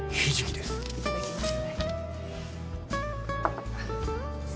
いただきます。